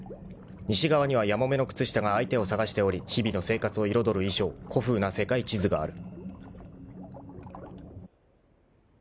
［西側にはやもめの靴下が相手を探しており日々の生活を彩る衣装古風な世界地図がある］